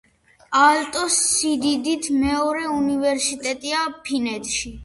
აალტო სიდიდით მეორე უნივერსიტეტია ფინეთში.